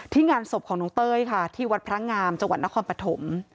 งานศพของน้องเต้ยค่ะที่วัดพระงามจังหวัดนครปฐม